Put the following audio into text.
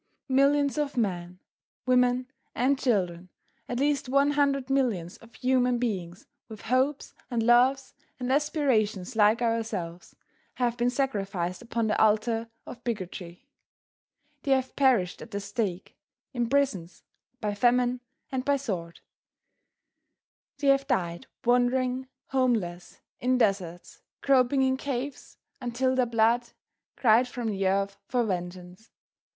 Millions of men, women and children, at least one hundred millions of human beings with hopes and loves and aspirations like ourselves, have been sacrificed upon the altar of bigotry. They have perished at the stake, in prisons, by famine and by sword; they have died wandering, homeless, in deserts, groping in caves, until their blood cried from the earth for vengeance.